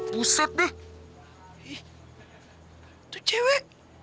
buset deh itu cewek